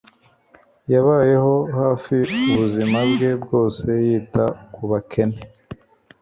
Yabayeho hafi ubuzima bwe bwose yita ku bakene